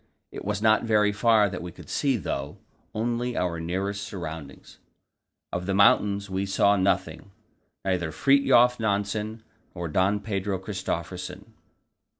It was not very far that we could see, though; only our nearest surroundings. Of the mountains we saw nothing, neither Fridtjof Nansen nor Don Pedro Christophersen.